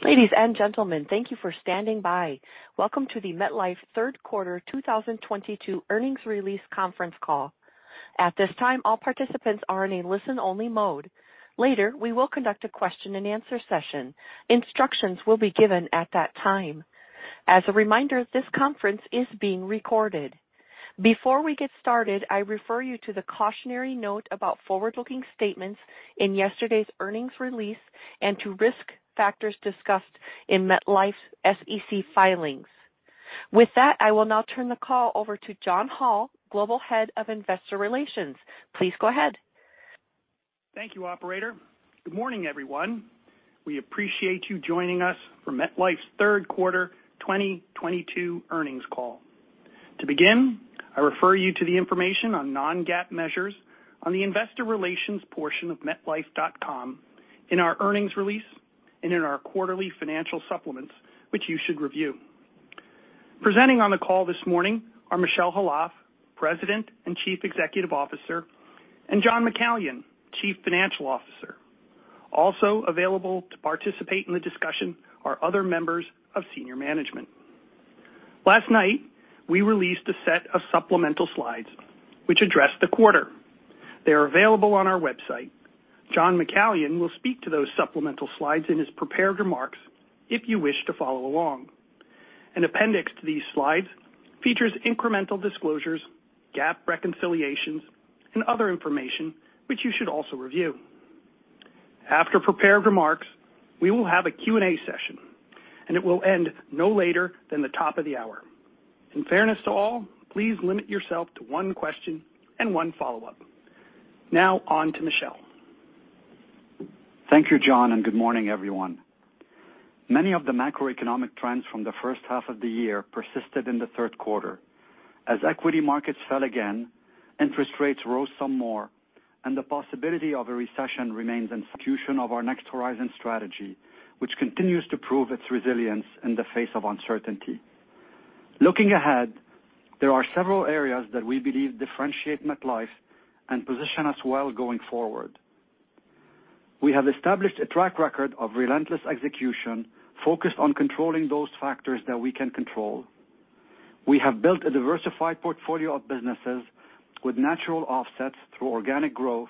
Ladies and gentlemen, thank you for standing by. Welcome to the MetLife 3rd Quarter 2022 earnings release conference call. At this time, all participants are in a listen-only mode. Later, we will conduct a question-and-answer session. Instructions will be given at that time. As a reminder, this conference is being recorded. Before we get started, I refer you to the cautionary note about forward-looking statements in yesterday's earnings release and to risk factors discussed in MetLife's SEC filings. With that, I will now turn the call over to John Hall, Global Head of Investor Relations. Please go ahead. Thank you, operator. Good morning, everyone. We appreciate you joining us for MetLife's 3rd quarter 2022 earnings call. To begin, I refer you to the information on non-GAAP measures on the investor relations portion of metlife.com in our earnings release and in our quarterly financial supplements, which you should review. Presenting on the call this morning are Michel Khalaf, President and Chief Executive Officer, and John McCallion, Chief Financial Officer. Also available to participate in the discussion are other members of senior management. Last night, we released a set of supplemental slides which address the quarter. They are available on our website. John McCallion will speak to those supplemental slides in his prepared remarks if you wish to follow along. An appendix to these slides features incremental disclosures, GAAP reconciliations, and other information which you should also review. After prepared remarks, we will have a Q&A session, and it will end no later than the top of the hour. In fairness to all, please limit yourself to one question and one follow-up. Now on to Michel Khalaf. Thank you, John, and good morning, everyone. Many of the macroeconomic trends from the first half of the year persisted in the 3rd quarter. As equity markets fell again, interest rates rose some more, and the possibility of a recession remains. Execution of our Next Horizon strategy, which continues to prove its resilience in the face of uncertainty. Looking ahead, there are several areas that we believe differentiate MetLife and position us well going forward. We have established a track record of relentless execution focused on controlling those factors that we can control. We have built a diversified portfolio of businesses with natural offsets through organic growth,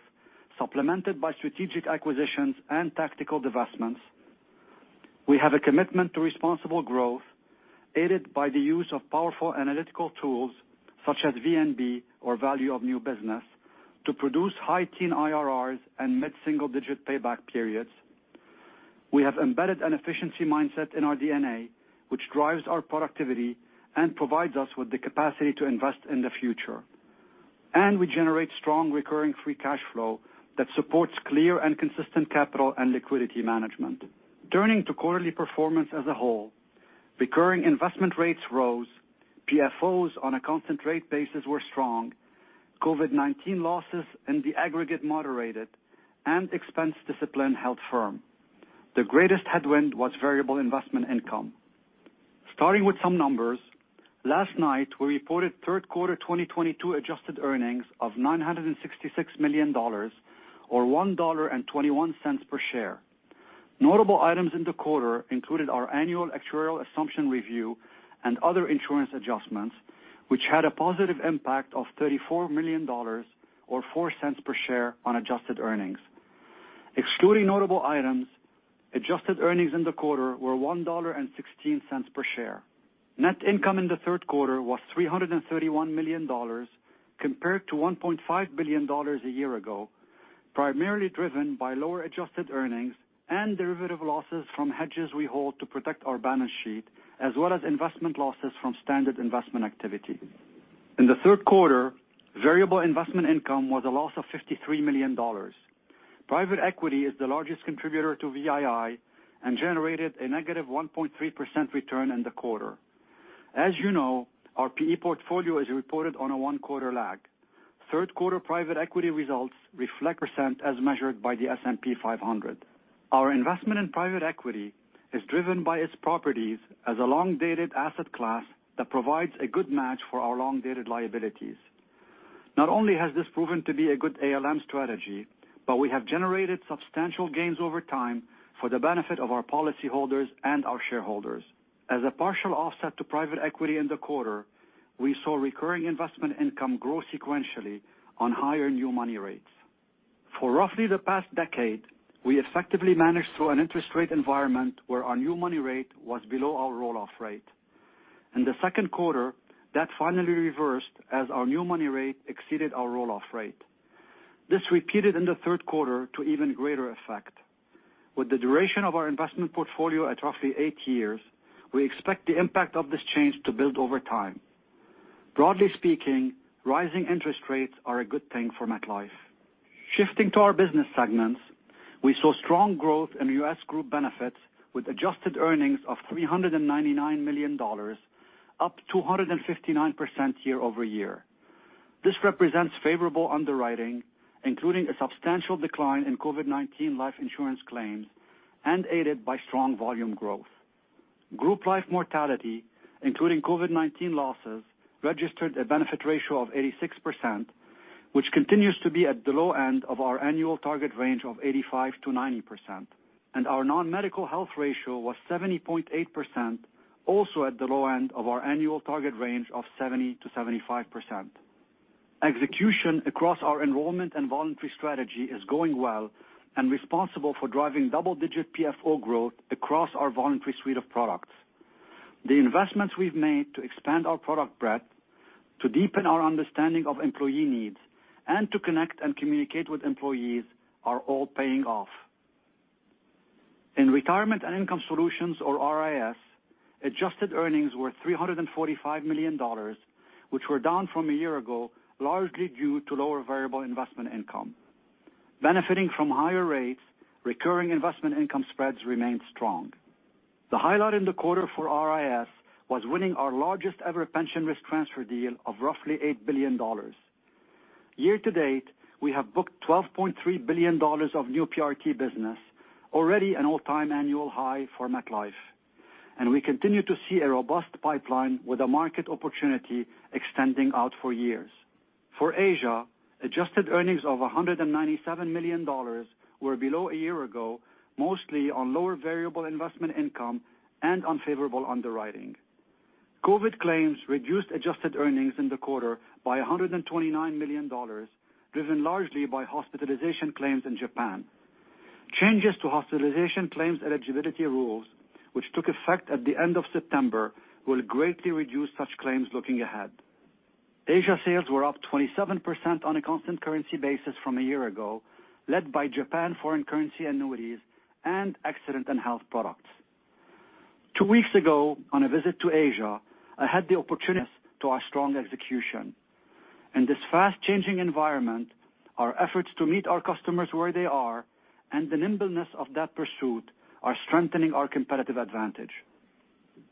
supplemented by strategic acquisitions and tactical divestments. We have a commitment to responsible growth, aided by the use of powerful analytical tools such as VNB or value of new business to produce high-teen IRRs and mid-single-digit payback periods. We have embedded an efficiency mindset in our DNA, which drives our productivity and provides us with the capacity to invest in the future. We generate strong recurring free cash flow that supports clear and consistent capital and liquidity management. Turning to quarterly performance as a whole, recurring investment rates rose, PFOs on a constant rate basis were strong, COVID-19 losses in the aggregate moderated, and expense discipline held firm. The greatest headwind was variable investment income. Starting with some numbers, last night we reported 3rd quarter 2022 adjusted earnings of $966 million or $1.21 per share. Notable items in the quarter included our annual actuarial assumption review and other insurance adjustments, which had a positive impact of $34 million or $0.04 per share on adjusted earnings. Excluding notable items, adjusted earnings in the quarter were $1.16 per share. Net income in the 3rd quarter was $331 million compared to $1.5 billion a year ago, primarily driven by lower adjusted earnings and derivative losses from hedges we hold to protect our balance sheet, as well as investment losses from standard investment activity. In the 3rd quarter, variable investment income was a loss of $53 million. Private equity is the largest contributor to VII and generated a negative 1.3% return in the quarter. As you know, our PE portfolio is reported on a one-quarter lag. 3rd quarter private equity results reflect performance as measured by the S&P 500. Our investment in private equity is driven by its properties as a long-dated asset class that provides a good match for our long-dated liabilities. Not only has this proven to be a good ALM strategy, but we have generated substantial gains over time for the benefit of our policyholders and our shareholders. As a partial offset to private equity in the quarter, we saw recurring investment income grow sequentially on higher new money rates. For roughly the past decade, we effectively managed through an interest rate environment where our new money rate was below our roll-off rate. In the second quarter, that finally reversed as our new money rate exceeded our roll-off rate. This repeated in the 3rd quarter to even greater effect. With the duration of our investment portfolio at roughly eight years, we expect the impact of this change to build over time. Broadly speaking, rising interest rates are a good thing for MetLife. Shifting to our business segments, we saw strong growth in U.S. Group Benefits with adjusted earnings of $399 million, up 259% year-over-year. This represents favorable underwriting, including a substantial decline in COVID-19 life insurance claims and aided by strong volume growth. Group life mortality, including COVID-19 losses, registered a benefit ratio of 86%, which continues to be at the low end of our annual target range of 85%-90%, and our non-medical health ratio was 70.8%, also at the low end of our annual target range of 70%-75%. Execution across our enrollment and voluntary strategy is going well and responsible for driving double-digit PFO growth across our voluntary suite of products. The investments we've made to expand our product breadth, to deepen our understanding of employee needs, and to connect and communicate with employees are all paying off. In Retirement and Income Solutions, or RIS, adjusted earnings were $345 million, which were down from a year ago, largely due to lower variable investment income. Benefiting from higher rates, recurring investment income spreads remained strong. The highlight in the quarter for RIS was winning our largest-ever pension risk transfer deal of roughly $8 billion. Year to date, we have booked $12.3 billion of new PRT business, already an all-time annual high for MetLife, and we continue to see a robust pipeline with a market opportunity extending out for years. For Asia, adjusted earnings of $197 million were below a year ago, mostly on lower variable investment income and unfavorable underwriting. COVID claims reduced adjusted earnings in the quarter by $129 million, driven largely by hospitalization claims in Japan. Changes to hospitalization claims eligibility rules, which took effect at the end of September, will greatly reduce such claims looking ahead. Asia sales were up 27% on a constant currency basis from a year ago, led by Japan foreign currency annuities and accident and health products. 2 weeks ago, on a visit to Asia, I had the opportunity to see our strong execution. In this fast-changing environment, our efforts to meet our customers where they are and the nimbleness of that pursuit are strengthening our competitive advantage.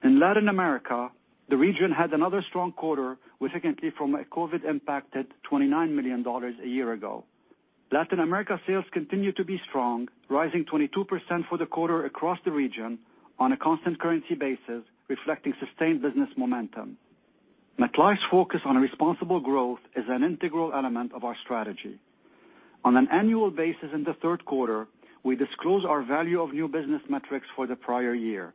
In Latin America, the region had another strong quarter, up significantly from a COVID-impacted $29 million a year ago. Latin America sales continue to be strong, rising 22% for the quarter across the region on a constant currency basis, reflecting sustained business momentum. MetLife's focus on responsible growth is an integral element of our strategy. On an annual basis in the 3rd quarter, we disclose our value of new business metrics for the prior year.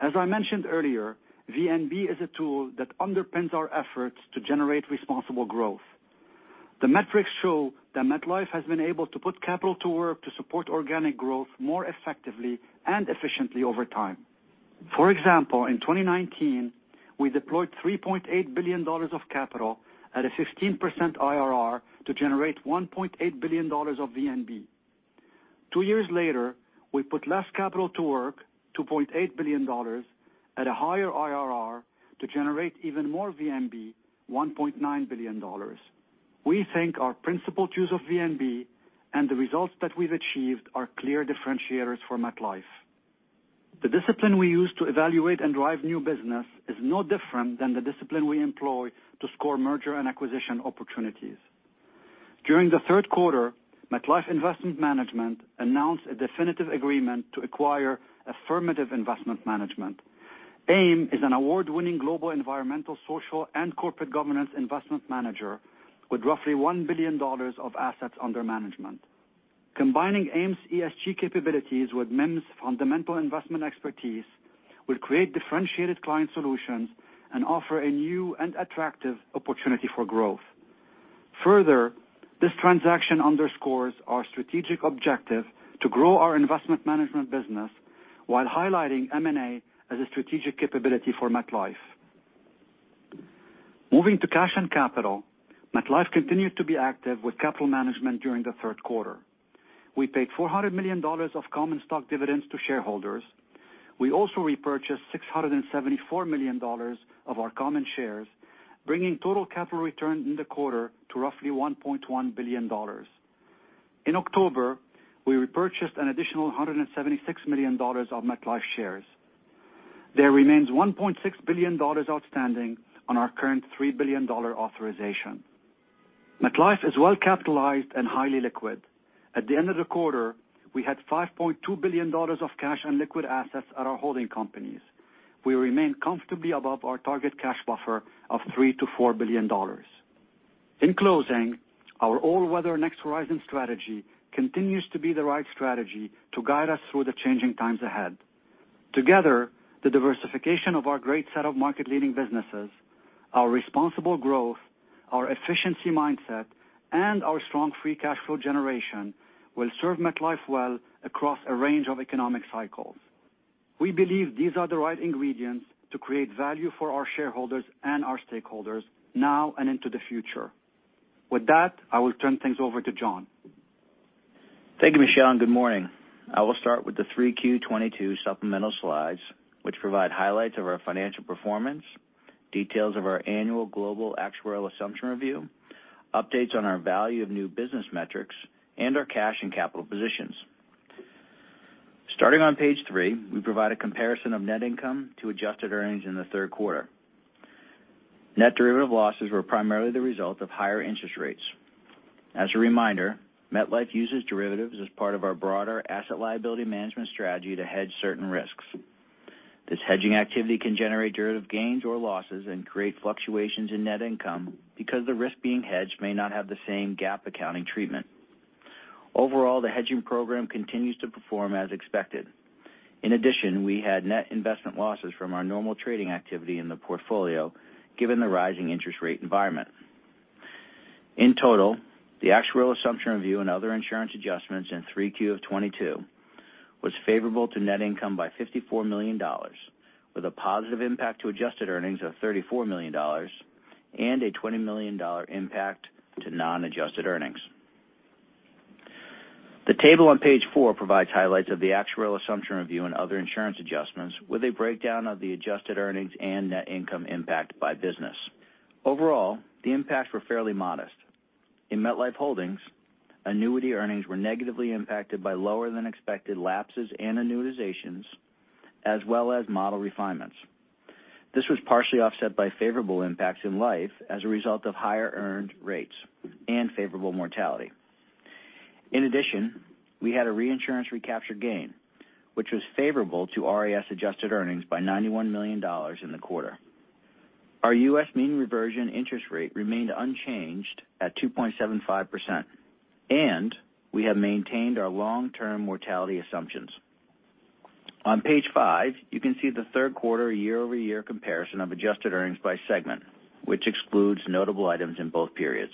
As I mentioned earlier, VNB is a tool that underpins our efforts to generate responsible growth. The metrics show that MetLife has been able to put capital to work to support organic growth more effectively and efficiently over time. For example, in 2019, we deployed $3.8 billion of capital at a 15% IRR to generate $1.8 billion of VNB. Two years later, we put less capital to work, $2.8 billion at a higher IRR to generate even more VNB, $1.9 billion. We think our principal use of VNB and the results that we've achieved are clear differentiators for MetLife. The discipline we use to evaluate and drive new business is no different than the discipline we employ to score merger and acquisition opportunities. During the 3rd quarter, MetLife Investment Management announced a definitive agreement to acquire Affirmative Investment Management. AIM is an award-winning global environmental, social, and corporate governance investment manager with roughly $1 billion of assets under management. Combining AIM's ESG capabilities with MIM's fundamental investment expertise will create differentiated client solutions and offer a new and attractive opportunity for growth. Further, this transaction underscores our strategic objective to grow our investment management business while highlighting M&A as a strategic capability for MetLife. Moving to cash and capital, MetLife continued to be active with capital management during the 3rd quarter. We paid $400 million of common stock dividends to shareholders. We also repurchased $674 million of our common shares, bringing total capital return in the quarter to roughly $1.1 billion. In October, we repurchased an additional $176 million of MetLife shares. There remains $1.6 billion outstanding on our current $3 billion authorization. MetLife is well capitalized and highly liquid. At the end of the quarter, we had $5.2 billion of cash and liquid assets at our holding companies. We remain comfortably above our target cash buffer of $3 billion-$4 billion. In closing, our all-weather Next Horizon strategy continues to be the right strategy to guide us through the changing times ahead. Together, the diversification of our great set of market-leading businesses, our responsible growth, our efficiency mindset, and our strong free cash flow generation will serve MetLife well across a range of economic cycles. We believe these are the right ingredients to create value for our shareholders and our stakeholders now and into the future. With that, I will turn things over to John. Thank you, Michel, and good morning. I will start with the 3Q 2022 supplemental slides, which provide highlights of our financial performance, details of our annual global actuarial assumption review, updates on our value of new business metrics, and our cash and capital positions. Starting on Page 3, we provide a comparison of net income to adjusted earnings in the 3rd quarter. Net derivative losses were primarily the result of higher interest rates. As a reminder, MetLife uses derivatives as part of our broader asset liability management strategy to hedge certain risks. This hedging activity can generate derivative gains or losses and create fluctuations in net income because the risk being hedged may not have the same GAAP accounting treatment. Overall, the hedging program continues to perform as expected. In addition, we had net investment losses from our normal trading activity in the portfolio given the rising interest rate environment. In total, the actuarial assumption review and other insurance adjustments in 3Q 2022 was favorable to net income by $54 million, with a positive impact to adjusted earnings of $34 million and a $20 million impact to non-adjusted earnings. The table on Page 4 provides highlights of the actuarial assumption review and other insurance adjustments with a breakdown of the adjusted earnings and net income impact by business. Overall, the impacts were fairly modest. In MetLife Holdings, annuity earnings were negatively impacted by lower than expected lapses and annuitizations, as well as model refinements. This was partially offset by favorable impacts in Life as a result of higher earned rates and favorable mortality. In addition, we had a reinsurance recapture gain, which was favorable to RIS adjusted earnings by $91 million in the quarter. Our U.S. mean reversion interest rate remained unchanged at 2.75%, and we have maintained our long-term mortality assumptions. On page five, you can see the 3rd quarter year-over-year comparison of adjusted earnings by segment, which excludes notable items in both periods.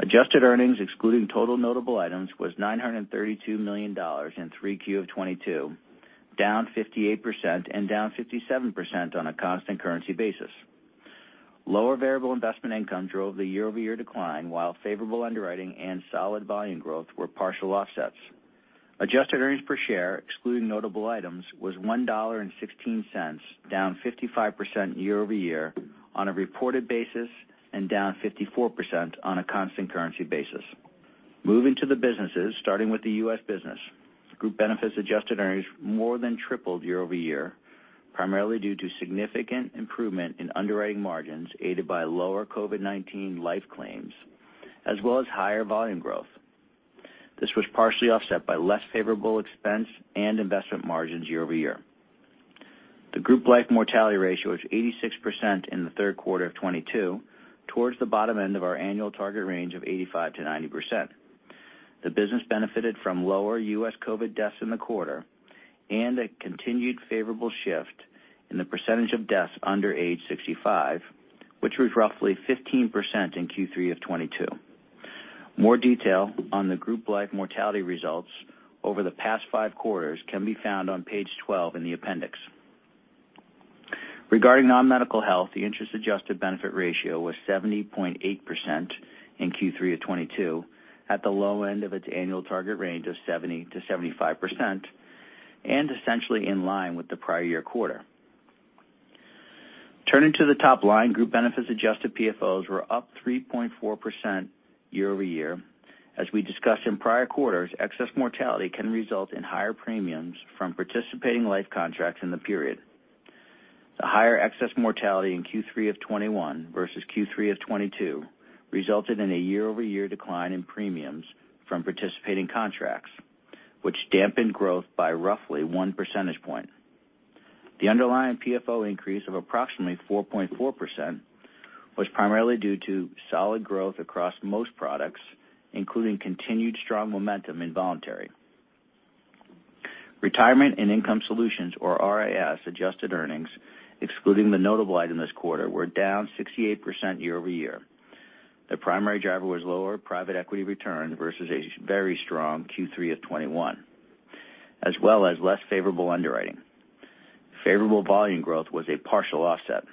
Adjusted earnings, excluding total notable items, was $932 million in 3Q 2022, down 58% and down 57% on a constant currency basis. Lower variable investment income drove the year-over-year decline, while favorable underwriting and solid volume growth were partial offsets. Adjusted earnings per share, excluding notable items, was $1.16, down 55% year-over-year on a reported basis and down 54% on a constant currency basis. Moving to the businesses, starting with the U.S. business. Group Benefits adjusted earnings more than tripled year-over-year, primarily due to significant improvement in underwriting margins, aided by lower COVID-19 life claims as well as higher volume growth. This was partially offset by less favorable expense and investment margins year-over-year. The group life mortality ratio is 86% in the 3rd quarter of 2022, towards the bottom end of our annual target range of 85%-90%. The business benefited from lower U.S. COVID deaths in the quarter and a continued favorable shift in the percentage of deaths under age 65, which was roughly 15% in Q3 of 2022. More detail on the group life mortality results over the past 5 quarters can be found on page 12 in the appendix. Regarding non-medical health, the interest adjusted benefit ratio was 70.8% in Q3 of 2022, at the low end of its annual target range of 70%-75% and essentially in line with the prior year quarter. Turning to the top line, Group Benefits adjusted PFOs were up 3.4% year-over-year. As we discussed in prior quarters, excess mortality can result in higher premiums from participating life contracts in the period. The higher excess mortality in Q3 of 2021 versus Q3 of 2022 resulted in a year-over-year decline in premiums from participating contracts, which dampened growth by roughly 1 percentage point. The underlying PFO increase of approximately 4.4% was primarily due to solid growth across most products, including continued strong momentum in voluntary. Retirement and Income Solutions, or RIS, adjusted earnings, excluding the notable item this quarter, were down 68% year-over-year. The primary driver was lower private equity returns versus a very strong Q3 of 2021, as well as less favorable underwriting. Favorable volume growth was a partial offset.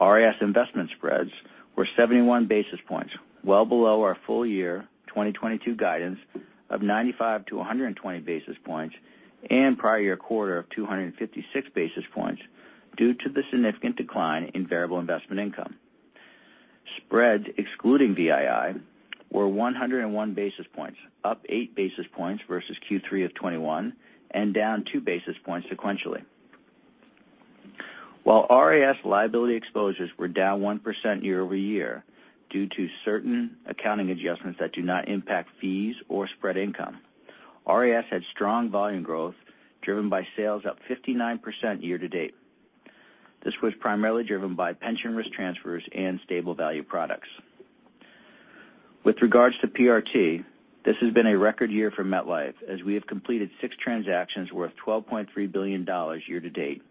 RIS investment spreads were 71 basis points, well below our full year 2022 guidance of 95-120 basis points and prior year quarter of 256 basis points due to the significant decline in variable investment income. Spreads excluding VII were 101 basis points, up 8 basis points versus Q3 of 2021 and down 2 basis points sequentially. While RIS liability exposures were down 1% year-over-year due to certain accounting adjustments that do not impact fees or spread income, RIS had strong volume growth driven by sales up 59% year-to-date. This was primarily driven by pension risk transfers and stable value products. With regards to PRT, this has been a record year for MetLife as we have completed six transactions worth $12.3 billion year to date,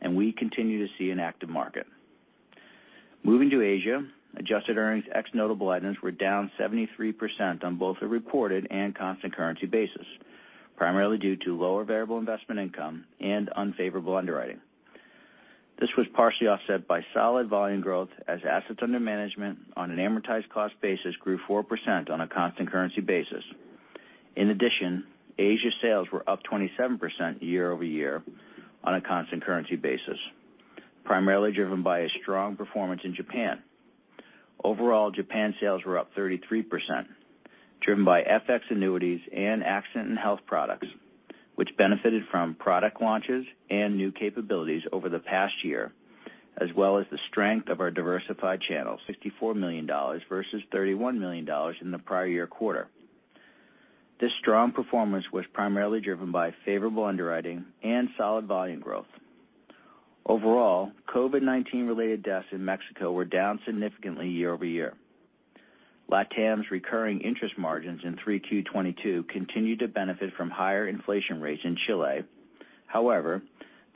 and we continue to see an active market. Moving to Asia, adjusted earnings ex notable items were down 73% on both a reported and constant currency basis, primarily due to lower variable investment income and unfavorable underwriting. This was partially offset by solid volume growth as assets under management on an amortized cost basis grew 4% on a constant currency basis. In addition, Asia sales were up 27% year-over-year on a constant currency basis, primarily driven by a strong performance in Japan. Overall, Japan sales were up 33%, driven by FX annuities and accident and health products, which benefited from product launches and new capabilities over the past year, as well as the strength of our diversified channel, $64 million versus $31 million in the prior year quarter. This strong performance was primarily driven by favorable underwriting and solid volume growth. Overall, COVID-19 related deaths in Mexico were down significantly year-over-year. LatAm's recurring interest margins in 3Q 2022 continued to benefit from higher inflation rates in Chile. However,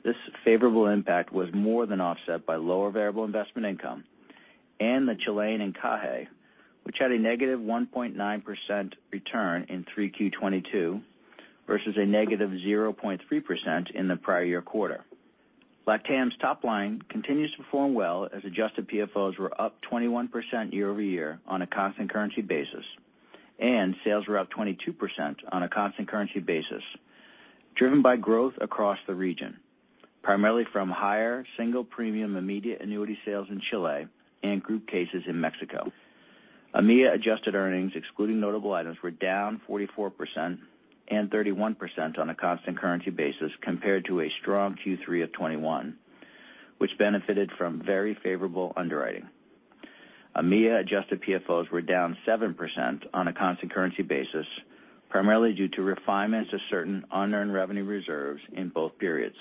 this favorable impact was more than offset by lower variable investment income and the Chilean encaje, which had a negative 1.9% return in 3Q 2022 versus a negative 0.3% in the prior year quarter. LatAm's top line continues to perform well as adjusted PFOs were up 21% year-over-year on a constant currency basis, and sales were up 22% on a constant currency basis, driven by growth across the region, primarily from higher single premium immediate annuity sales in Chile and group cases in Mexico. EMEA adjusted earnings excluding notable items were down 44% and 31% on a constant currency basis compared to a strong Q3 of 2021, which benefited from very favorable underwriting. EMEA adjusted PFOs were down 7% on a constant currency basis, primarily due to refinements to certain unearned revenue reserves in both periods.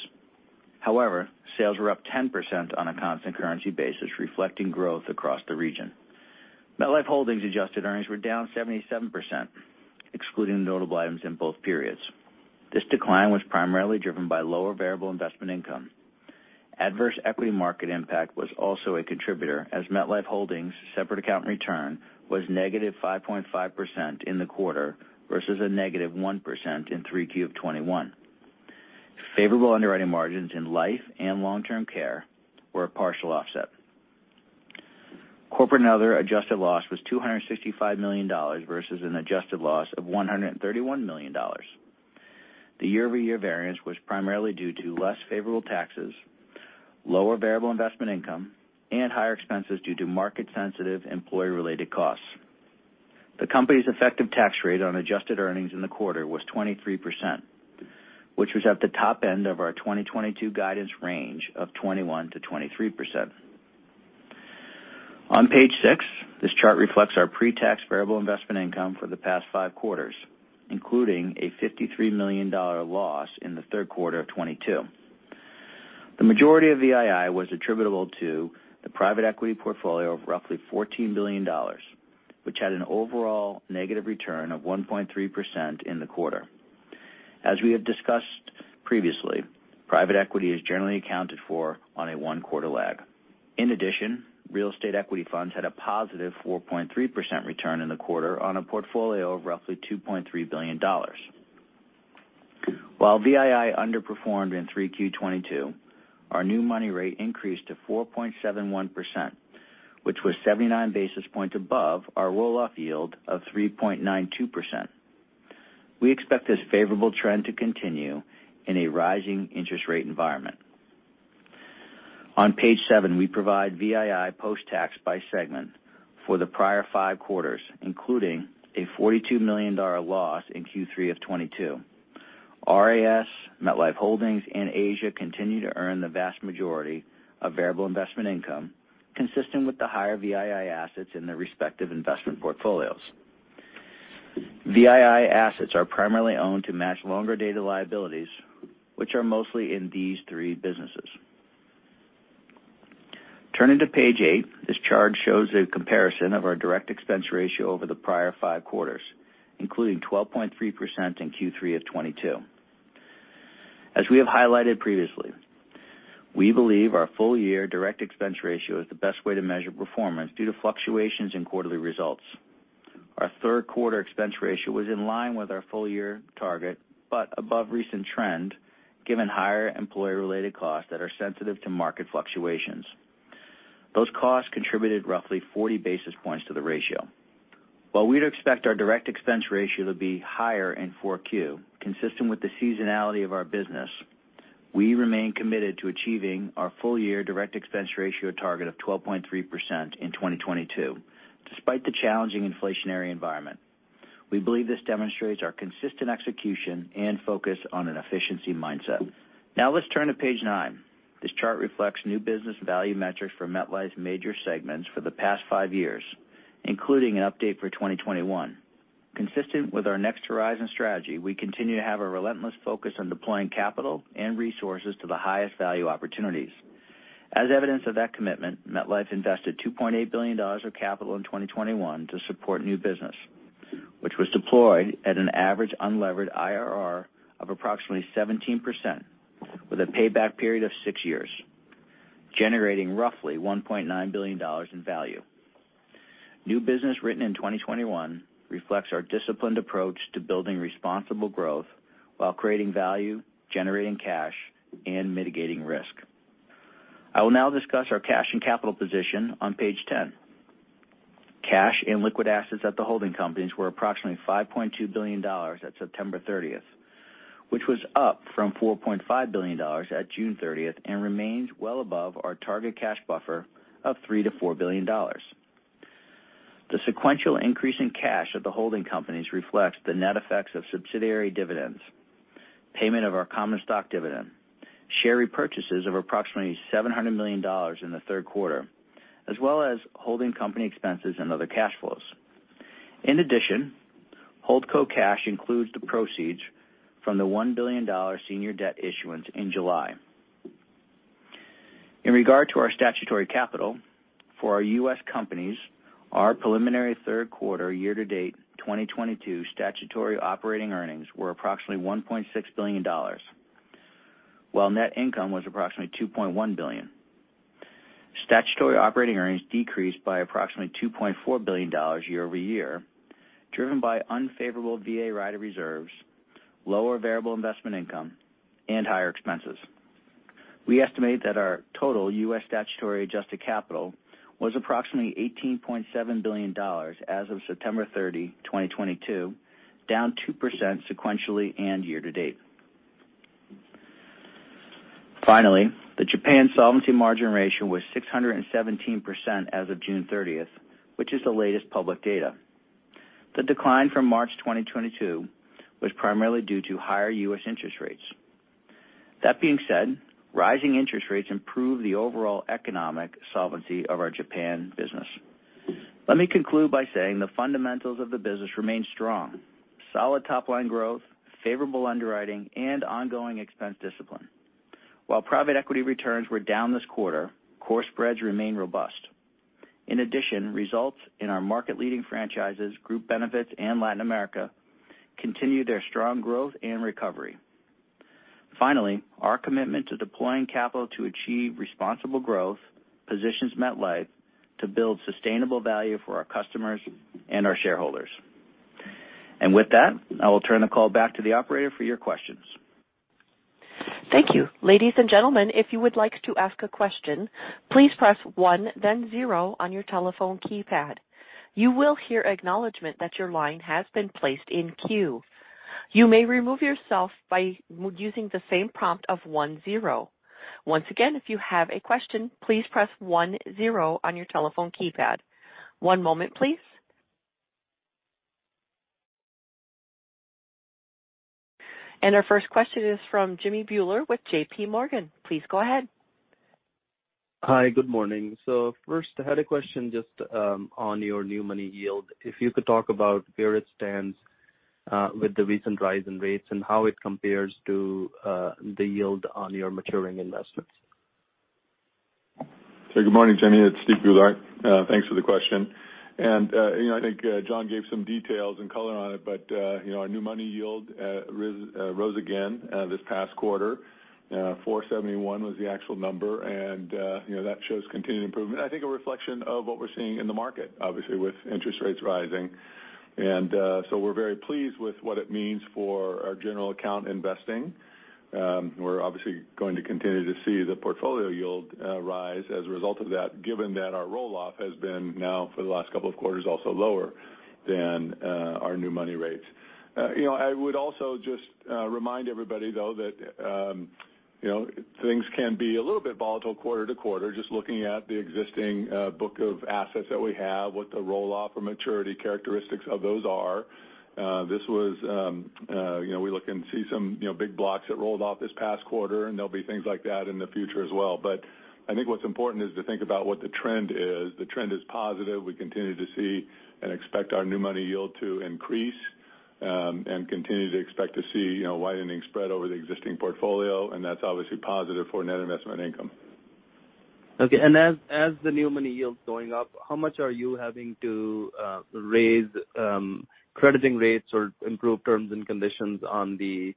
However, sales were up 10% on a constant currency basis, reflecting growth across the region. MetLife Holdings adjusted earnings were down 77%, excluding notable items in both periods. This decline was primarily driven by lower variable investment income. Adverse equity market impact was also a contributor as MetLife Holdings' separate account return was -5.5% in the quarter versus a -1% in 3Q of 2021. Favorable underwriting margins in life and long-term care were a partial offset. Corporate and other adjusted loss was $265 million versus an adjusted loss of $131 million. The year-over-year variance was primarily due to less favorable taxes, lower variable investment income, and higher expenses due to market-sensitive employee-related costs. The company's effective tax rate on adjusted earnings in the quarter was 23%, which was at the top end of our 2022 guidance range of 21%-23%. On page six, this chart reflects our pre-tax variable investment income for the past 5 quarters, including a $53 million loss in the 3rd quarter of 2022. The majority of VII was attributable to the private equity portfolio of roughly $14 billion, which had an overall negative return of 1.3% in the quarter. As we have discussed previously, private equity is generally accounted for on a one-quarter lag. In addition, real estate equity funds had a positive 4.3% return in the quarter on a portfolio of roughly $2.3 billion. While VII underperformed in 3Q 2022, our new money rate increased to 4.71%, which was 79 basis points above our roll-off yield of 3.92%. We expect this favorable trend to continue in a rising interest rate environment. On page seven, we provide VII post-tax by segment for the prior five quarters, including a $42 million loss in Q3 2022. RIS, MetLife Holdings and Asia continue to earn the vast majority of variable investment income, consistent with the higher VII assets in their respective investment portfolios. VII assets are primarily owned to match longer-dated liabilities, which are mostly in these three businesses. Turning to Page 8, this chart shows a comparison of our direct expense ratio over the prior 5 quarters, including 12.3% in Q3 of 2022. As we have highlighted previously, we believe our full-year direct expense ratio is the best way to measure performance due to fluctuations in quarterly results. Our 3rd quarter expense ratio was in line with our full-year target, but above recent trend given higher employee-related costs that are sensitive to market fluctuations. Those costs contributed roughly 40 basis points to the ratio. While we'd expect our direct expense ratio to be higher in Q4, consistent with the seasonality of our business, we remain committed to achieving our full-year direct expense ratio target of 12.3% in 2022, despite the challenging inflationary environment. We believe this demonstrates our consistent execution and focus on an efficiency mindset. Now let's turn to Page 9. This chart reflects new business value metrics for MetLife's major segments for the past 5 years, including an update for 2021. Consistent with our Next Horizon strategy, we continue to have a relentless focus on deploying capital and resources to the highest value opportunities. As evidence of that commitment, MetLife invested $2.8 billion of capital in 2021 to support new business, which was deployed at an average unlevered IRR of approximately 17% with a payback period of 6 years, generating roughly $1.9 billion in value. New business written in 2021 reflects our disciplined approach to building responsible growth while creating value, generating cash, and mitigating risk. I will now discuss our cash and capital position on Page 10. Cash and liquid assets at the holding companies were approximately $5.2 billion at September 30. Which was up from $4.5 billion at June 30 and remains well above our target cash buffer of $3 billion-$4 billion. The sequential increase in cash at the holding companies reflects the net effects of subsidiary dividends, payment of our common stock dividend, share repurchases of approximately $700 million in the 3rd quarter, as well as holding company expenses and other cash flows. In addition, Holdco cash includes the proceeds from the $1 billion senior debt issuance in July. In regard to our statutory capital for our U.S. companies, our preliminary 3rd quarter year-to-date 2022 statutory operating earnings were approximately $1.6 billion, while net income was approximately $2.1 billion. Statutory operating earnings decreased by approximately $2.4 billion year-over-year, driven by unfavorable VA rider reserves, lower variable investment income, and higher expenses. We estimate that our total U.S. statutory adjusted capital was approximately $18.7 billion as of September 30, 2022, down 2% sequentially and year to date. Finally, the Japan solvency margin ratio was 617% as of June 30th, which is the latest public data. The decline from March 2022 was primarily due to higher U.S. interest rates. That being said, rising interest rates improve the overall economic solvency of our Japan business. Let me conclude by saying the fundamentals of the business remain strong, solid top line growth, favorable underwriting and ongoing expense discipline. While private equity returns were down this quarter, core spreads remain robust. In addition, results in our market-leading franchises, Group Benefits and Latin America, continue their strong growth and recovery. Finally, our commitment to deploying capital to achieve responsible growth positions MetLife to build sustainable value for our customers and our shareholders. With that, I will turn the call back to the operator for your questions. Thank you. Ladies and gentlemen, if you would like to ask a question, please press 1 then 0 on your telephone keypad. You will hear acknowledgment that your line has been placed in queue. You may remove yourself by using the same prompt of 1, 0. Once again, if you have a question, please press 1, 0 on your telephone keypad. One moment, please. Our first question is from Jimmy Bhullar with JPMorgan. Please go ahead. Hi, good morning. First I had a question just on your new money yield. If you could talk about where it stands with the recent rise in rates and how it compares to the yield on your maturing investments. Good morning, Jimmy. It's Steven J. Goulart. Thanks for the question. You know, I think John gave some details and color on it, but you know, our new money yield rose again this past quarter. 4.71 was the actual number, and you know, that shows continued improvement. I think a reflection of what we're seeing in the market, obviously with interest rates rising. We're very pleased with what it means for our general account investing. We're obviously going to continue to see the portfolio yield rise as a result of that, given that our roll-off has been now for the last couple of quarters, also lower than our new money rates. You know, I would also just remind everybody though that, you know, things can be a little bit volatile quarter to quarter, just looking at the existing book of assets that we have, what the roll-off or maturity characteristics of those are. This was, you know, we look and see some, you know, big blocks that rolled off this past quarter, and there'll be things like that in the future as well. But I think what's important is to think about what the trend is. The trend is positive. We continue to see and expect our new money yield to increase, and continue to expect to see, you know, widening spread over the existing portfolio, and that's obviously positive for net investment income. Okay. As the new money yields going up, how much are you having to raise crediting rates or improve terms and conditions on the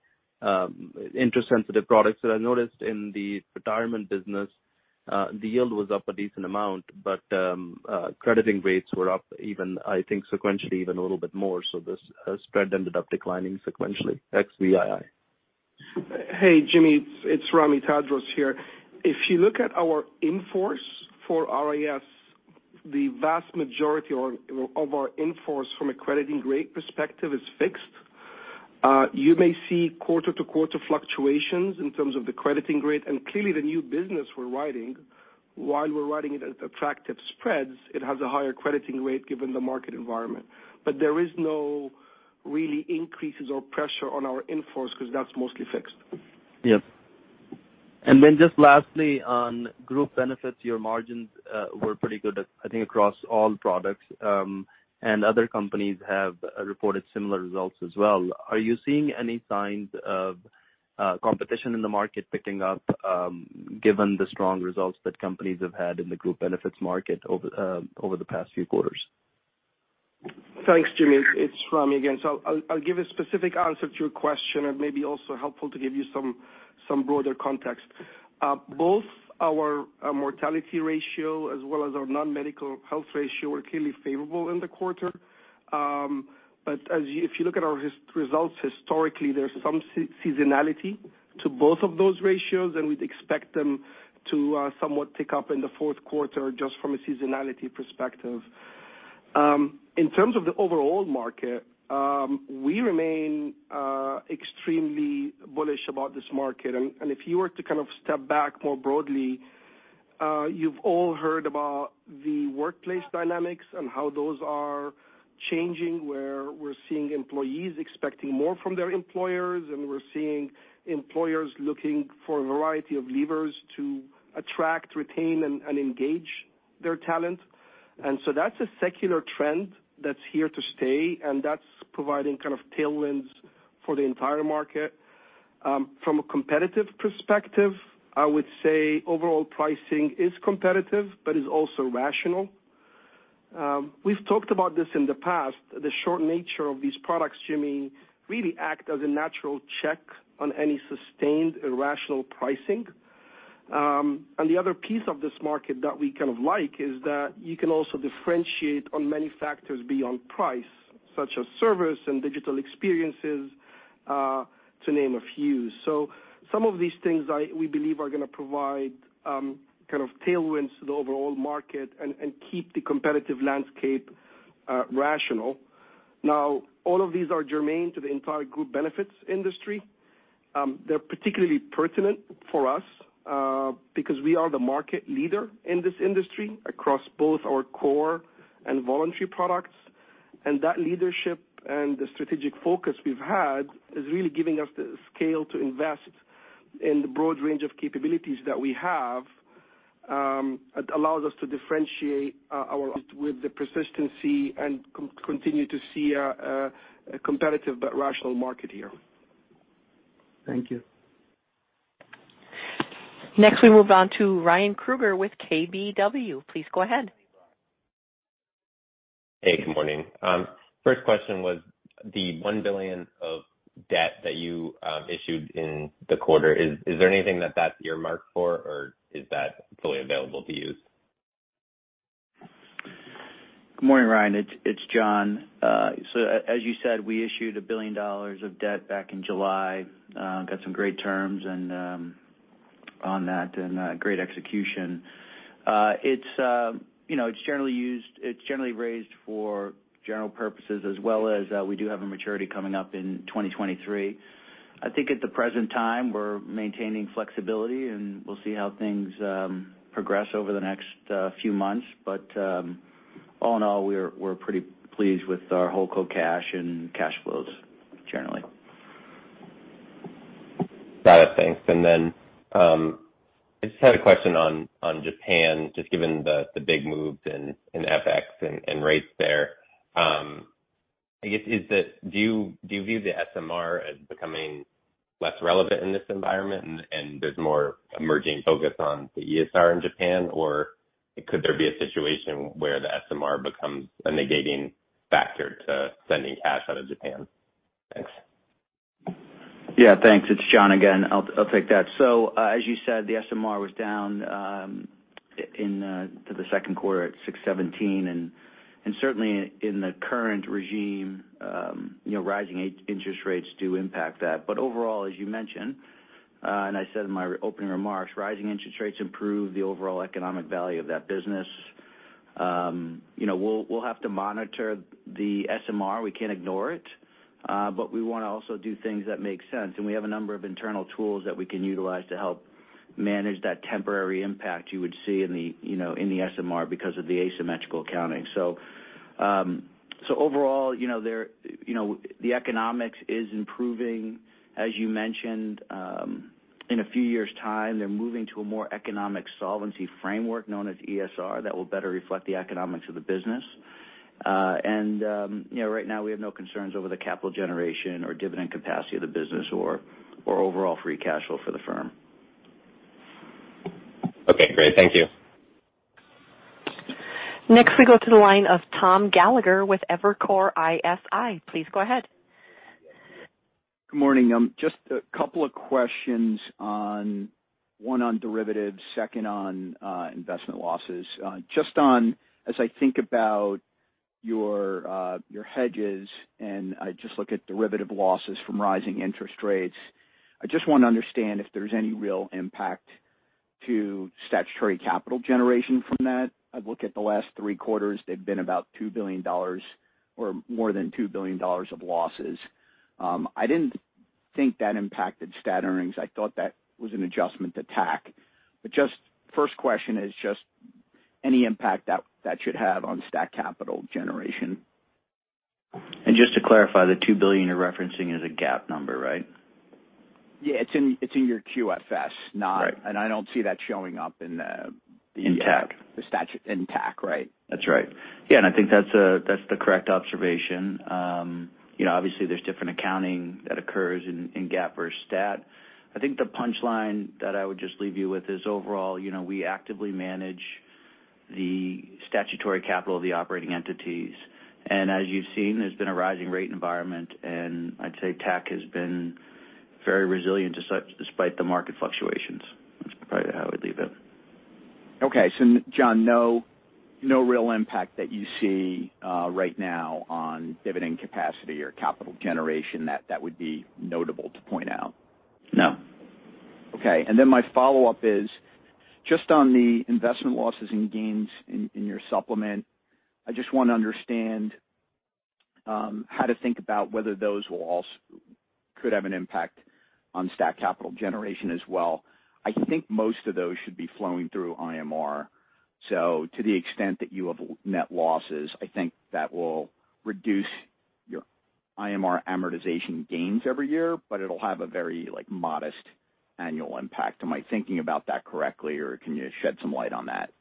interest-sensitive products that I noticed in the retirement business? The yield was up a decent amount, but crediting rates were up even, I think, sequentially even a little bit more. This spread ended up declining sequentially, ex VII. Hey, Jimmy, it's Ramy Tadros here. If you look at our in-force for RIS, the vast majority of our in-force from a crediting rate perspective is fixed. You may see quarter-to-quarter fluctuations in terms of the crediting rate. Clearly, the new business we're writing, while we're writing it at attractive spreads, it has a higher crediting rate given the market environment. There is no real increases or pressure on our in-force because that's mostly fixed. Yes. Just lastly, on Group Benefits, your margins were pretty good, I think, across all products, and other companies have reported similar results as well. Are you seeing any signs of competition in the market picking up, given the strong results that companies have had in the Group Benefits market over the past few quarters? Thanks, Jimmy. It's Ramy again. I'll give a specific answer to your question. It may be also helpful to give you some broader context. Both our mortality ratio as well as our non-medical health ratio are clearly favorable in the quarter. But if you look at our historical results, there's some seasonality to both of those ratios, and we'd expect them to somewhat pick up in the fourth quarter just from a seasonality perspective. In terms of the overall market, we remain extremely bullish about this market. If you were to kind of step back more broadly, you've all heard about the workplace dynamics and how those are changing, where we're seeing employees expecting more from their employers, and we're seeing employers looking for a variety of levers to attract, retain, and engage their talent. That's a secular trend that's here to stay, and that's providing kind of tailwinds for the entire market. From a competitive perspective, I would say overall pricing is competitive, but is also rational. We've talked about this in the past, the short nature of these products, Jimmy, really act as a natural check on any sustained irrational pricing. The other piece of this market that we kind of like is that you can also differentiate on many factors beyond price, such as service and digital experiences, to name a few. Some of these things we believe are gonna provide kind of tailwinds to the overall market and keep the competitive landscape rational. Now, all of these are germane to the entire group benefits industry. They're particularly pertinent for us because we are the market leader in this industry across both our core and voluntary products. That leadership and the strategic focus we've had is really giving us the scale to invest in the broad range of capabilities that we have, allows us to differentiate with the persistency and continue to see a competitive but rational market here. Thank you. Next, we move on to Ryan Krueger with KBW. Please go ahead. Hey, good morning. First question was the $1 billion of debt that you issued in the quarter, is there anything that's earmarked for or is that fully available to use? Good morning, Ryan. It's John. So as you said, we issued $1 billion of debt back in July, got some great terms and on that and great execution. You know, it's generally raised for general purposes as well as we do have a maturity coming up in 2023. I think at the present time, we're maintaining flexibility, and we'll see how things progress over the next few months. All in all, we're pretty pleased with our overall cash and cash flows generally. Got it. Thanks. I just had a question on Japan, just given the big moves in FX and rates there. I guess, do you view the SMR as becoming less relevant in this environment and there's more emerging focus on the ESR in Japan? Or could there be a situation where the SMR becomes a negating factor to sending cash out of Japan? Thanks. Yeah, thanks. It's John again. I'll take that. So, as you said, the SMR was down into the 2nd quarter at 617. Certainly in the current regime, you know, rising interest rates do impact that. But overall, as you mentioned, and I said in my opening remarks, rising interest rates improve the overall economic value of that business. You know, we'll have to monitor the SMR. We can't ignore it, but we wanna also do things that make sense. We have a number of internal tools that we can utilize to help manage that temporary impact you would see in the SMR because of the asymmetrical accounting. So overall, you know, the economics is improving. As you mentioned, in a few years' time, they're moving to a more economic solvency framework known as ESR that will better reflect the economics of the business. You know, right now we have no concerns over the capital generation or dividend capacity of the business or overall free cash flow for the firm. Okay, great. Thank you. Next, we go to the line of Thomas Gallagher with Evercore ISI. Please go ahead. Good morning. Just a couple of questions on one on derivatives, second on investment losses. Just on, as I think about your hedges, and I just look at derivative losses from rising interest rates, I just wanna understand if there's any real impact to statutory capital generation from that. I look at the last three quarters, they've been about $2 billion or more than $2 billion of losses. I didn't think that impacted stat earnings. I thought that was an adjustment to TAC. First question is just any impact that should have on stat capital generation. Just to clarify, the $2 billion you're referencing is a GAAP number, right? Yeah. It's in your QFS. Right. I don't see that showing up in the. In TAC. In TAC, right. That's right. Yeah, I think that's the correct observation. You know, obviously there's different accounting that occurs in GAAP versus stat. I think the punchline that I would just leave you with is, overall, you know, we actively manage the statutory capital of the operating entities. As you've seen, there's been a rising rate environment, and I'd say TAC has been very resilient despite the market fluctuations. That's probably how I would leave it. Okay. John, no real impact that you see right now on dividend capacity or capital generation that would be notable to point out? No. Okay. Then my follow-up is just on the investment losses and gains in your supplement. I just want to understand how to think about whether those will could have an impact on stat capital generation as well. I think most of those should be flowing through IMR. To the extent that you have net losses, I think that will reduce your IMR amortization gains every year, but it'll have a very, like, modest annual impact. Am I thinking about that correctly, or can you shed some light on that?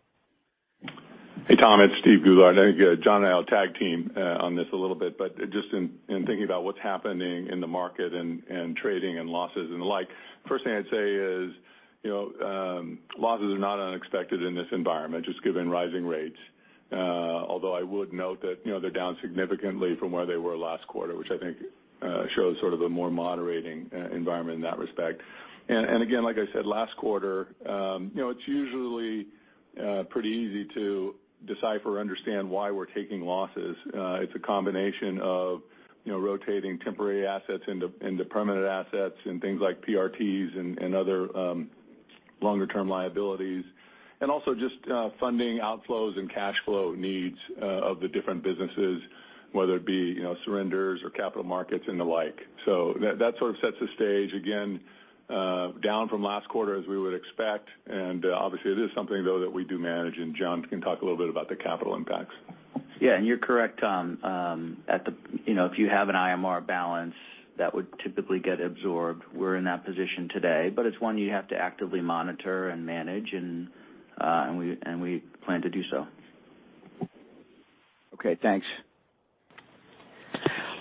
Hey, Thomas, it's Steven Goulart. I think, John and I will tag team, on this a little bit, but just in thinking about what's happening in the market and trading and losses and the like, first thing I'd say is, you know, losses are not unexpected in this environment, just given rising rates. Although I would note that, you know, they're down significantly from where they were last quarter, which I think, shows sort of a more moderating, environment in that respect. Again, like I said last quarter, you know, it's usually, pretty easy to decipher or understand why we're taking losses. It's a combination of, you know, rotating temporary assets into permanent assets and things like PRTs and other longer-term liabilities, and also just funding outflows and cash flow needs of the different businesses, whether it be, you know, surrenders or capital markets and the like. That sort of sets the stage again, down from last quarter as we would expect. Obviously, it is something though that we do manage, and John can talk a little bit about the capital impacts. Yeah. You're correct, Tom. You know, if you have an IMR balance, that would typically get absorbed. We're in that position today, but it's one you have to actively monitor and manage, and we plan to do so. Okay, thanks.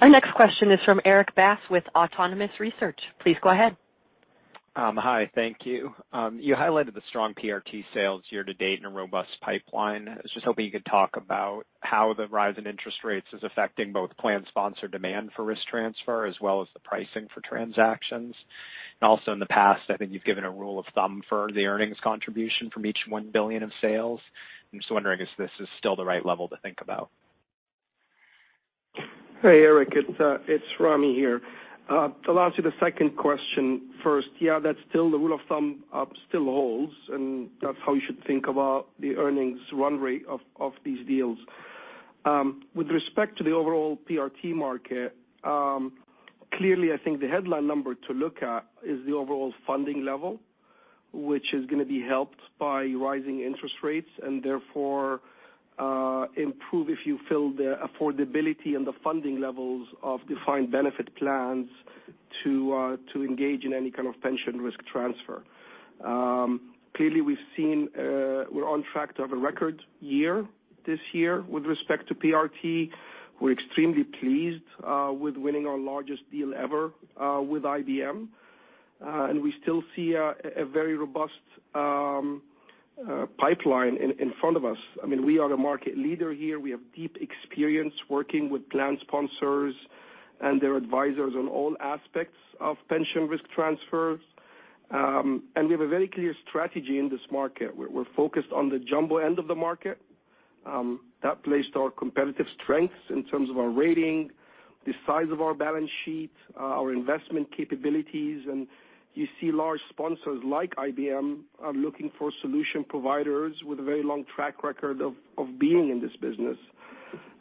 Our next question is from Erik Bass with Autonomous Research. Please go ahead. Hi. Thank you. You highlighted the strong PRT sales year to date in a robust pipeline. I was just hoping you could talk about how the rise in interest rates is affecting both plan sponsor demand for risk transfer as well as the pricing for transactions. Also in the past, I think you've given a rule of thumb for the earnings contribution from each $1 billion of sales. I'm just wondering if this is still the right level to think about. Hey, Eric. It's Ramy here. I'll answer the second question first. Yeah, that's still the rule of thumb, still holds, and that's how you should think about the earnings run rate of these deals. With respect to the overall PRT market, clearly, I think the headline number to look at is the overall funding level, which is gonna be helped by rising interest rates and therefore improve the affordability and the funding levels of defined benefit plans to engage in any kind of pension risk transfer. Clearly, we've seen. We're on track to have a record year this year with respect to PRT. We're extremely pleased with winning our largest deal ever with IBM. We still see a very robust pipeline in front of us. I mean, we are a market leader here. We have deep experience working with plan sponsors and their advisors on all aspects of pension risk transfers. We have a very clear strategy in this market. We're focused on the jumbo end of the market that plays to our competitive strengths in terms of our rating, the size of our balance sheet, our investment capabilities. You see large sponsors like IBM are looking for solution providers with a very long track record of being in this business.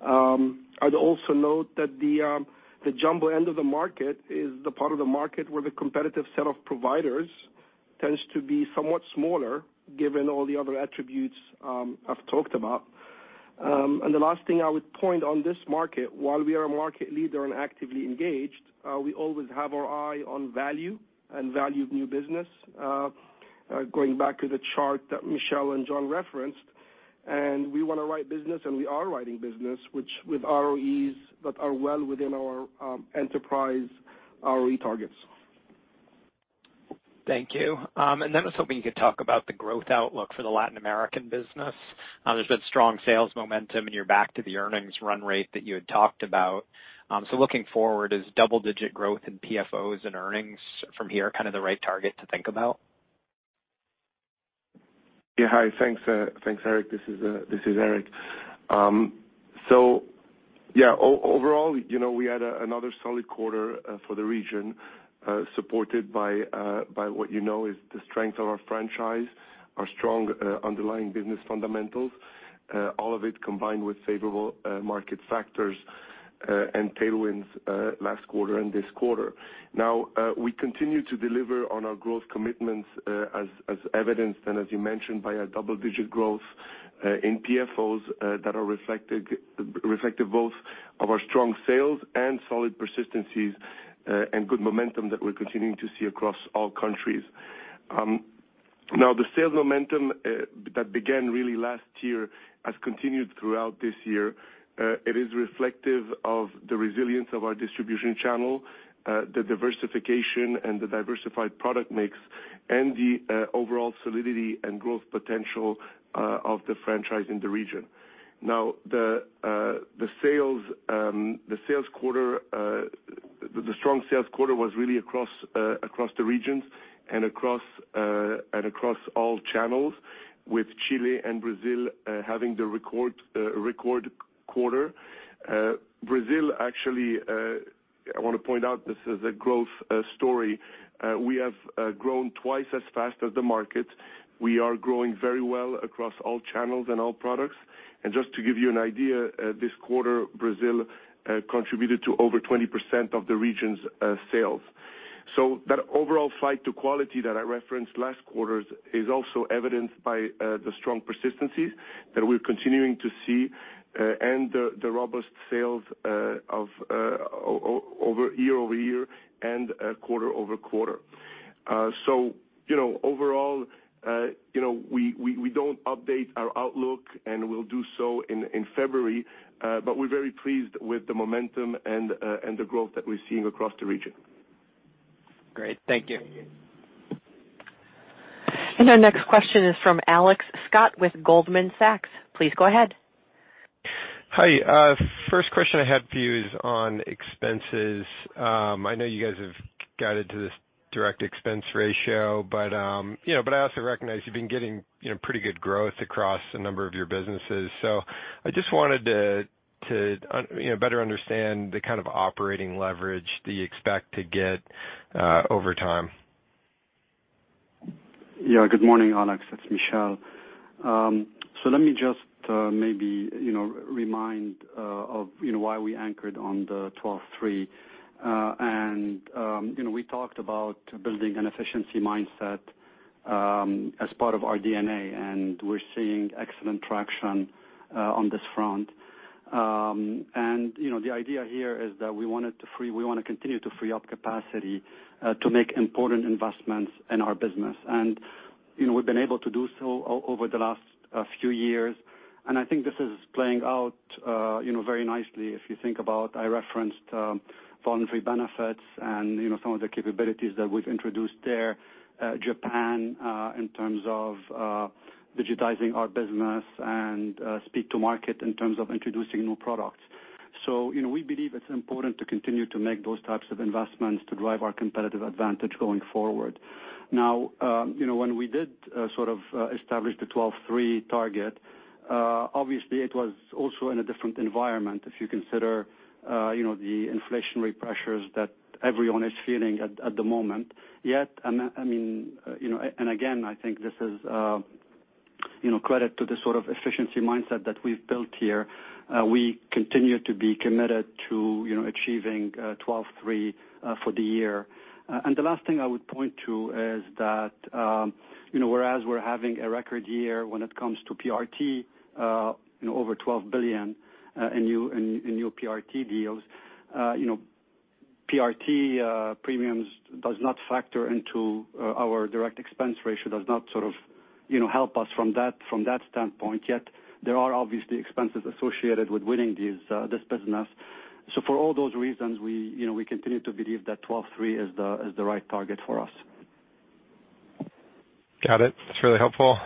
I'd also note that the jumbo end of the market is the part of the market where the competitive set of providers tends to be somewhat smaller given all the other attributes I've talked about. The last thing I would point on this market, while we are a market leader and actively engaged, we always have our eye on value and value of new business, going back to the chart that Michel and John referenced. We wanna write business, and we are writing business, which with ROEs that are well within our enterprise ROE targets. Thank you. I was hoping you could talk about the growth outlook for the Latin American business. There's been strong sales momentum, and you're back to the earnings run rate that you had talked about. Looking forward, is double-digit growth in PFOs and earnings from here kind of the right target to think about? Yeah. Hi. Thanks, Eric. This is Eric. So yeah, overall, you know, we had another solid quarter for the region, supported by what you know is the strength of our franchise, our strong underlying business fundamentals, all of it combined with favorable market factors and tailwinds last quarter and this quarter. Now, we continue to deliver on our growth commitments, as evidenced and as you mentioned, by a double-digit growth in PFOs that are reflected both of our strong sales and solid persistencies and good momentum that we're continuing to see across all countries. Now the sales momentum that began really last year has continued throughout this year. It is reflective of the resilience of our distribution channel, the diversification and the diversified product mix, and the overall solidity and growth potential of the franchise in the region. Now, the strong sales quarter was really across the regions and across Across all channels with Chile and Brazil having the record quarter. Brazil, actually, I want to point out this is a growth story. We have grown twice as fast as the market. We are growing very well across all channels and all products. Just to give you an idea, this quarter, Brazil contributed to over 20% of the region's sales. That overall flight to quality that I referenced last quarter is also evidenced by the strong persistency that we're continuing to see and the robust sales over year-over-year and quarter-over-quarter. You know, overall, you know, we don't update our outlook, and we'll do so in February, but we're very pleased with the momentum and the growth that we're seeing across the region. Great. Thank you. Our next question is from Alexander Scott with Goldman Sachs. Please go ahead. Hi. First question I had for you is on expenses. I know you guys have guided to this direct expense ratio, but you know, but I also recognize you've been getting, you know, pretty good growth across a number of your businesses. I just wanted to better understand the kind of operating leverage that you expect to get over time. Yeah. Good morning, Alex. It's Michel. So let me just maybe, you know, remind you of, you know, why we anchored on the 12-3. We talked about building an efficiency mindset as part of our DNA, and we're seeing excellent traction on this front. The idea here is that we wanted to free—we wanna continue to free up capacity to make important investments in our business. We've been able to do so over the last few years, and I think this is playing out, you know, very nicely if you think about, I referenced voluntary benefits and, you know, some of the capabilities that we've introduced there, Japan, in terms of digitizing our business and speed to market in terms of introducing new products. You know, we believe it's important to continue to make those types of investments to drive our competitive advantage going forward. Now, you know, when we did sort of establish the 12-3 target, obviously it was also in a different environment if you consider you know, the inflationary pressures that everyone is feeling at the moment. Yet, I mean, you know, and again, I think this is you know, credit to the sort of efficiency mindset that we've built here. We continue to be committed to, you know, achieving 12-3 for the year. The last thing I would point to is that, you know, whereas we're having a record year when it comes to PRT, you know, over $12 billion in new PRT deals, you know, PRT premiums does not factor into our direct expense ratio, does not sort of, you know, help us from that standpoint, yet there are obviously expenses associated with winning this business. For all those reasons, we continue to believe that 12.3% is the right target for us. Got it. That's really helpful.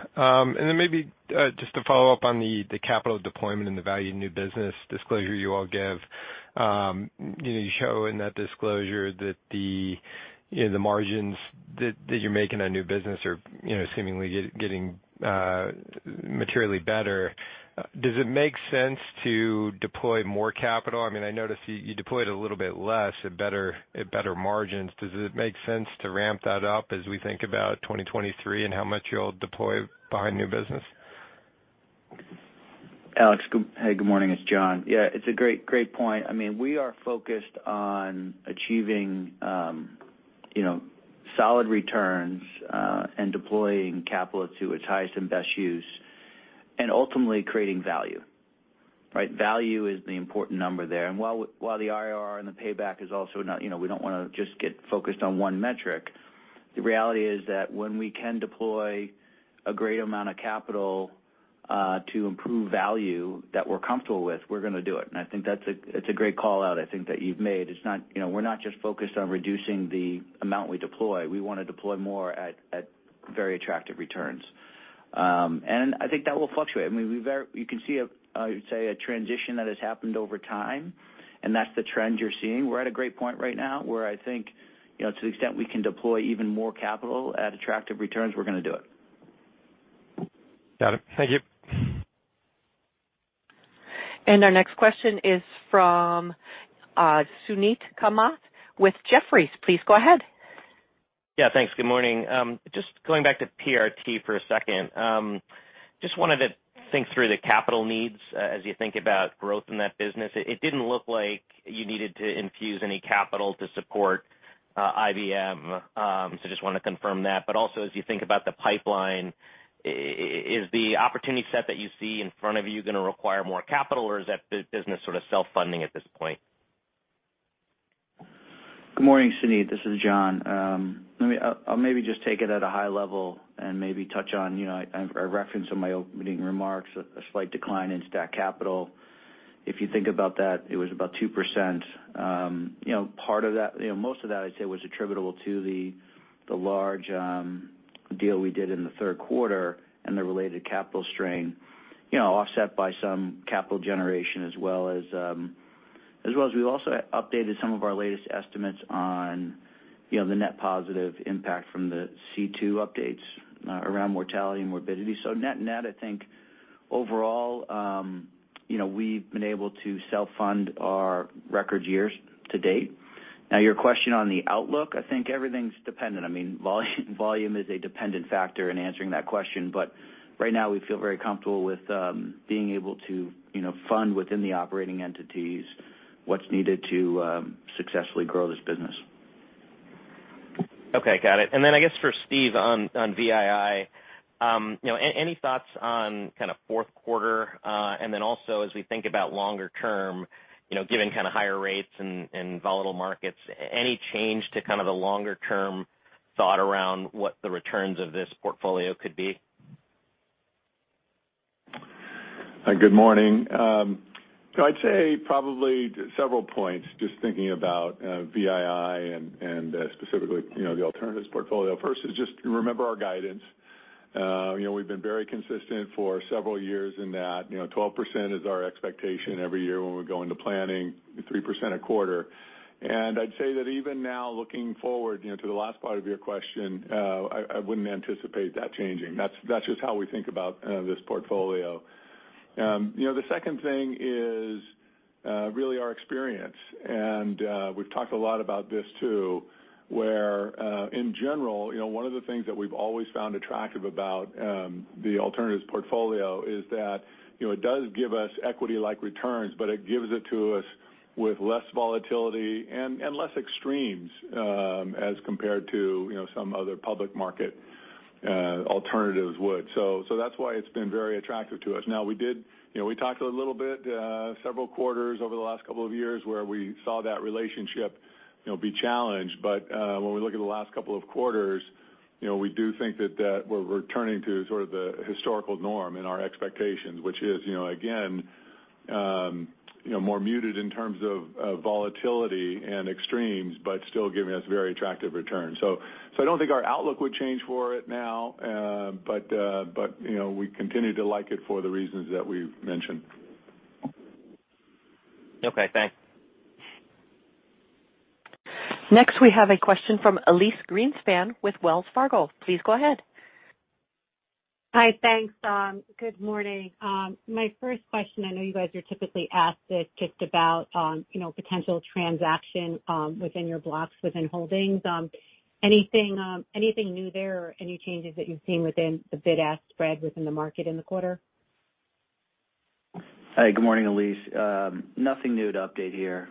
Maybe just to follow up on the capital deployment and the value of new business disclosure you all give, you know, you show in that disclosure that the margins that you're making on new business are, you know, seemingly getting materially better. Does it make sense to deploy more capital? I mean, I noticed you deployed a little bit less at better margins. Does it make sense to ramp that up as we think about 2023 and how much you'll deploy behind new business? Alex, hey, good morning. It's John. Yeah, it's a great point. I mean, we are focused on achieving, you know, solid returns, and deploying capital to its highest and best use, and ultimately creating value, right? Value is the important number there. While the IRR and the payback is also not, you know, we don't wanna just get focused on one metric, the reality is that when we can deploy a great amount of capital to improve value that we're comfortable with, we're gonna do it. I think that's a great call-out, I think, that you've made. It's not, you know, we're not just focused on reducing the amount we deploy. We wanna deploy more at very attractive returns. I think that will fluctuate. I mean, you can see a, I would say, a transition that has happened over time, and that's the trend you're seeing. We're at a great point right now where I think, you know, to the extent we can deploy even more capital at attractive returns, we're gonna do it. Got it. Thank you. Our next question is from Suneet Kamath with Jefferies. Please go ahead. Yeah, thanks. Good morning. Just going back to PRT for a second. Just wanted to think through the capital needs, as you think about growth in that business. It didn't look like you needed to infuse any capital to support IBM. Just wanna confirm that. Also, as you think about the pipeline, is the opportunity set that you see in front of you gonna require more capital, or is that business sort of self-funding at this point? Good morning, Suneet. This is John. I'll maybe just take it at a high level and maybe touch on, you know, I referenced in my opening remarks a slight decline in stat capital. If you think about that, it was about 2%. You know, part of that, you know, most of that I'd say was attributable to the large deal we did in the 3rd quarter and the related capital strain, you know, offset by some capital generation as well as As well as we've also updated some of our latest estimates on, you know, the net positive impact from the C2 updates around mortality and morbidity. Net-net, I think overall, you know, we've been able to self-fund our record years to date. Now your question on the outlook, I think everything's dependent. I mean, volume is a dependent factor in answering that question. Right now we feel very comfortable with, being able to, you know, fund within the operating entities what's needed to, successfully grow this business. Okay, got it. I guess for Steve on VII. Any thoughts on kind of fourth quarter? Also as we think about longer term, you know, given kind of higher rates and volatile markets, any change to kind of the longer term thought around what the returns of this portfolio could be? Hi, good morning. I'd say probably several points just thinking about VII and specifically, you know, the alternatives portfolio. First is just remember our guidance. You know, we've been very consistent for several years in that, you know, 12% is our expectation every year when we go into planning, 3% a quarter. I'd say that even now looking forward, you know, to the last part of your question, I wouldn't anticipate that changing. That's just how we think about this portfolio. You know, the second thing is really our experience, and we've talked a lot about this too, where in general, you know, one of the things that we've always found attractive about the alternatives portfolio is that you know, it does give us equity-like returns, but it gives it to us with less volatility and less extremes as compared to you know, some other public market alternatives would. That's why it's been very attractive to us. Now, you know, we talked a little bit, several quarters over the last couple of years where we saw that relationship you know, be challenged. when we look at the last couple of quarters, you know, we do think that we're returning to sort of the historical norm in our expectations, which is, you know, again, you know, more muted in terms of volatility and extremes, but still giving us very attractive returns. I don't think our outlook would change for it now, but you know, we continue to like it for the reasons that we've mentioned. Okay, thanks. Next we have a question from Elyse Greenspan with Wells Fargo. Please go ahead. Hi. Thanks, Tom. Good morning. My first question, I know you guys are typically asked this just about, you know, potential transaction within your blocks within Holdings. Anything new there or any changes that you've seen within the bid-ask spread within the market in the quarter? Hi, good morning, Elyse. Nothing new to update here.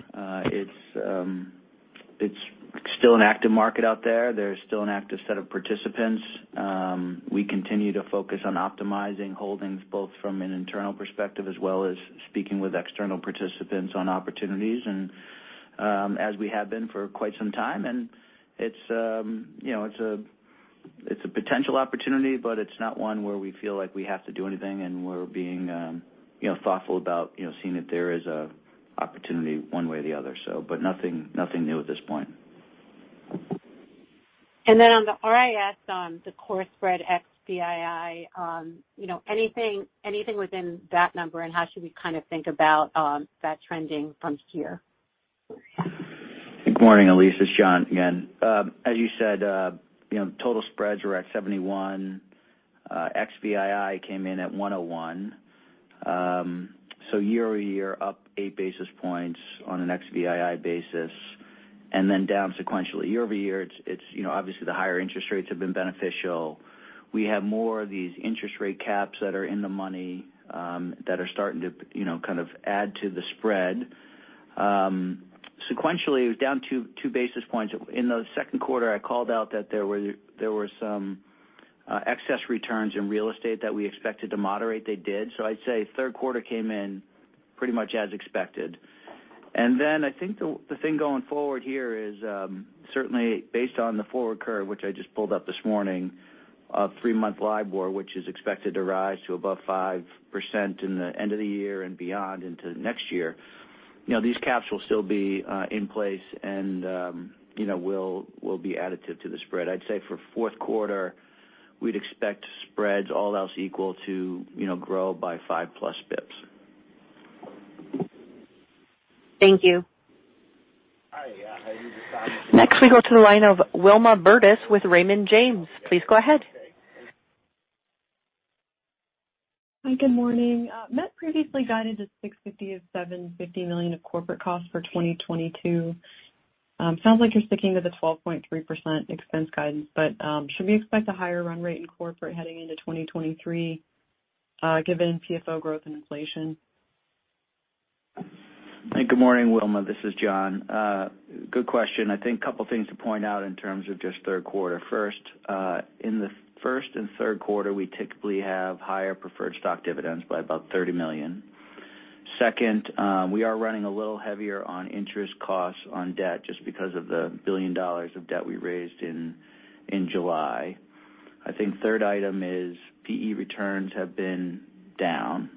It's still an active market out there. There's still an active set of participants. We continue to focus on optimizing holdings both from an internal perspective as well as speaking with external participants on opportunities and, as we have been for quite some time. It's, you know, a potential opportunity, but it's not one where we feel like we have to do anything and we're being, you know, thoughtful about, you know, seeing if there is an opportunity one way or the other. Nothing new at this point. On the RIS, on the core spread ex VII, you know, anything within that number, and how should we kind of think about that trending from here? Good morning, Elyse. It's John again. As you said, you know, total spreads were at 71. Ex VII came in at 101. Year-over-year up 8 basis points on an ex VII basis, and then down sequentially. Year-over-year it's you know, obviously the higher interest rates have been beneficial. We have more of these interest rate caps that are in the money, that are starting to, you know, kind of add to the spread. Sequentially it was down 2 basis points. In the 2nd quarter, I called out that there were some excess returns in real estate that we expected to moderate. They did. I'd say 3rd quarter came in pretty much as expected. I think the thing going forward here is certainly based on the forward curve, which I just pulled up this morning, three-month LIBOR, which is expected to rise to above 5% in the end of the year and beyond into next year. These caps will still be in place and will be additive to the spread. I'd say for fourth quarter we'd expect spreads all else equal to grow by 5+ basis points. Thank you. Next, we go to the line of Wilma Burdis with Raymond James. Please go ahead. Hi. Good morning. Met previously guided to $657.5 million of corporate costs for 2022. Sounds like you're sticking to the 12.3% expense guidance, but should we expect a higher run rate in corporate heading into 2023, given PFO growth and inflation? Hi. Good morning, Wilma. This is John. Good question. I think a couple things to point out in terms of just 3rd quarter. First, in the first and 3rd quarter, we typically have higher preferred stock dividends by about $30 million. Second, we are running a little heavier on interest costs on debt just because of the $1 billion of debt we raised in July. I think 3rd item is PE returns have been down,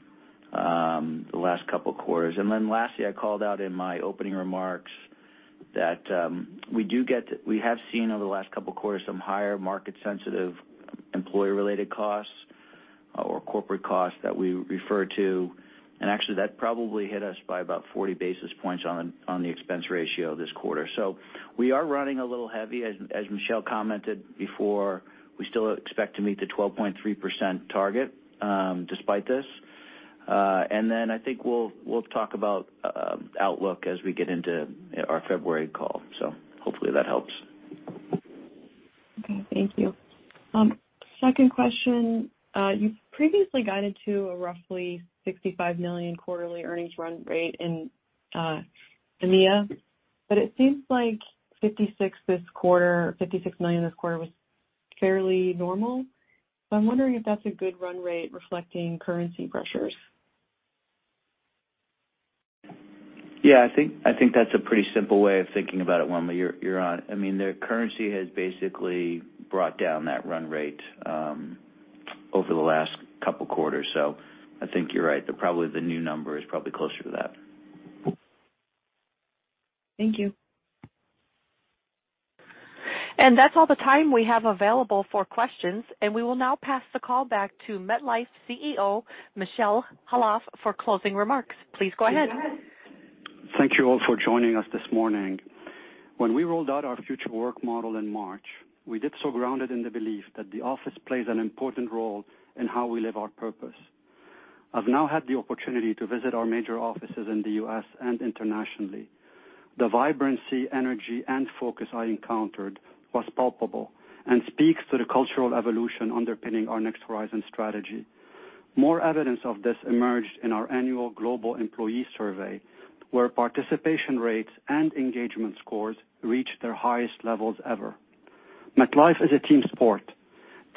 the last couple quarters. Lastly, I called out in my opening remarks that we have seen over the last couple of quarters some higher market sensitive employee related costs. Corporate costs that we refer to. Actually that probably hit us by about 40 basis points on the expense ratio this quarter. We are running a little heavy as Michel Khalaf commented before, we still expect to meet the 12.3% target despite this. I think we'll talk about outlook as we get into our February call. Hopefully that helps. Okay, thank you. Second question. You've previously guided to a roughly $65 million quarterly earnings run rate in EMEA, but it seems like $56 million this quarter was fairly normal. I'm wondering if that's a good run rate reflecting currency pressures. Yeah, I think that's a pretty simple way of thinking about it, Wilma. You're on. I mean, the currency has basically brought down that run rate over the last couple quarters. I think you're right. Probably the new number is probably closer to that. Thank you. That's all the time we have available for questions, and we will now pass the call back to MetLife CEO Michel Khalaf for closing remarks. Please go ahead. Thank you all for joining us this morning. When we rolled out our future work model in March, we did so grounded in the belief that the office plays an important role in how we live our purpose. I've now had the opportunity to visit our major offices in the U.S. and internationally. The vibrancy, energy, and focus I encountered was palpable and speaks to the cultural evolution underpinning our Next Horizon strategy. More evidence of this emerged in our annual global employee survey, where participation rates and engagement scores reached their highest levels ever. MetLife is a team sport.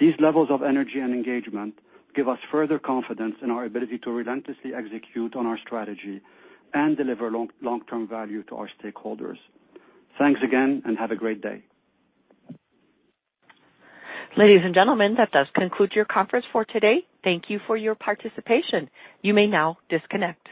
These levels of energy and engagement give us further confidence in our ability to relentlessly execute on our strategy and deliver long, long-term value to our stakeholders. Thanks again, and have a great day. Ladies and gentlemen, that does conclude your conference for today. Thank you for your participation. You may now disconnect.